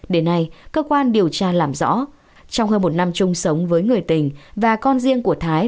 đến nay cơ quan điều tra làm rõ trong hơn một năm chung sống với người tình và con riêng của thái